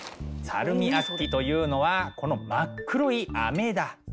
サルミアッキというのはこの真っ黒いあめだ。